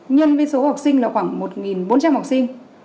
nhân với số học sinh là khoảng một bốn trăm linh học sinh